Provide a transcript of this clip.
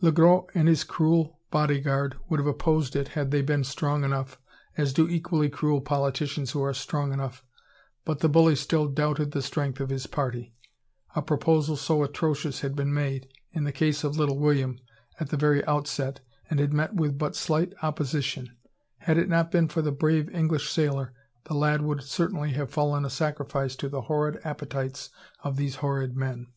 Le Gros and his cruel bodyguard would have opposed it had they been strong enough, as do equally cruel politicians who are strong enough, but the bully still doubted the strength of his party. A proposal so atrocious had beep made, in the case of little William, at the very outset, and had met with but slight opposition. Had it not been for the brave English sailor, the lad would certainly have fallen a sacrifice to the horrid appetites of these horrid men.